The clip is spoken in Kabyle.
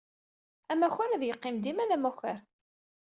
Amakar ad yeqqim dima d amakar.